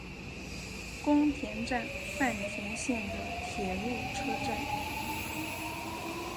宫田站饭田线的铁路车站。